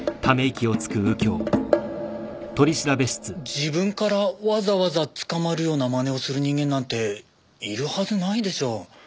自分からわざわざ捕まるような真似をする人間なんているはずないでしょう。